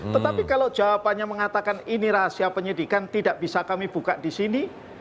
tetapi kalau jawabannya mengatakan ini rahasia penyidikan tidak bisa kami buka di sini